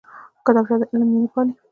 کتابچه د علم مینه پالي